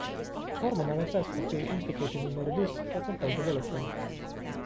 Hormonal effects appear implicated in the reduced placental development.